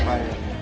di gunung ijen